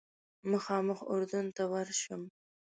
مخامخ اردن ته ورشم.